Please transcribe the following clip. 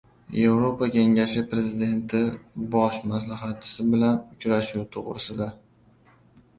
Yevropa Kengashi prezidenti bosh maslahatchisi bilan uchrashuv to‘g‘risida